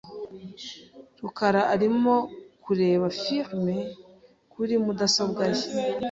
rukara arimo kureba firime kuri mudasobwa ye .